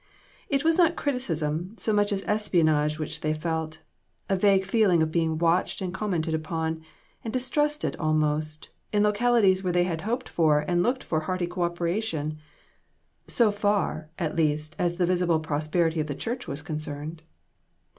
It was not criticism so much as espionage which they felt ; a vague feeling of being watched and commented upon, and distrusted almost, in locali ties where they had hoped for and looked for hearty co operation ; so far, at least, as the visible prosperity of the church was concerned.